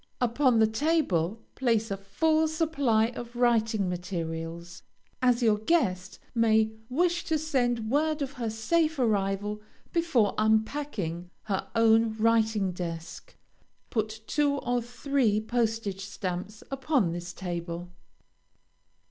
Upon the table, place a full supply of writing materials, as your guest may wish to send word of her safe arrival before unpacking her own writing desk. Put two or three postage stamps upon this table.